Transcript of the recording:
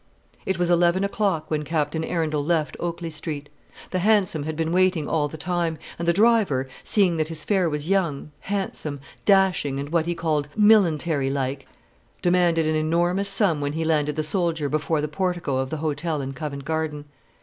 It was eleven o'clock when Captain Arundel left Oakley Street. The hansom had been waiting all the time, and the driver, seeing that his fare was young, handsome, dashing, and what he called "milingtary like," demanded an enormous sum when he landed the soldier before the portico of the hotel in Covent Garden.